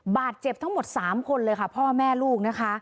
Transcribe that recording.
บาดเจ็บทั้งหมด๓คนเลยค่ะพ่อแม่ลูกนะคะ